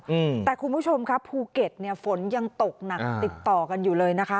อืมแต่คุณผู้ชมครับภูเก็ตเนี้ยฝนยังตกหนักติดต่อกันอยู่เลยนะคะ